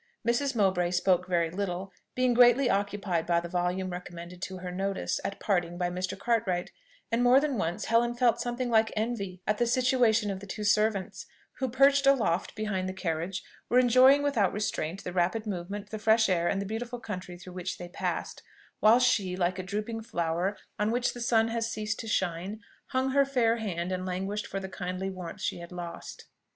Mrs. Mowbray spoke very little, being greatly occupied by the volume recommended to her notice, at parting, by Mr. Cartwright; and more than once Helen felt something like envy at the situation of the two servants, who, perched aloft behind the carriage, were enjoying without restraint the rapid movement, the fresh air, and the beautiful country through which they passed; while she, like a drooping flower on which the sun has ceased to shine, hung her fair hand and languished for the kindly warmth she had lost.